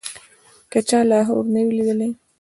که چا لاهور نه وي لیدلی.